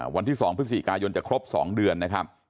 วันที่๒พฤษภิกายนจะครบ๒เดือน